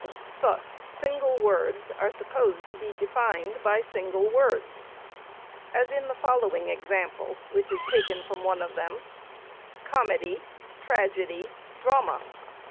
Thus single words are sup posed to be defined by single words, as in the following example, which is taken from one of them :—" comedy, tragedy, drama."